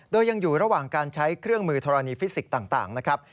โดยยังอยู่ระหว่างการใช้เครื่องมือธรณีฟิสิกส์ต่างนะครับ